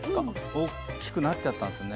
大きくなっちゃったんですね。